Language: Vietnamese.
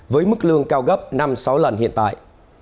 với mức lương cao gấp năm sáu lần hiện tại